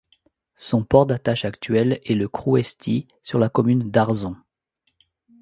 Son port d'attache actuel est Le Crouesty sur la commune d'Arzon.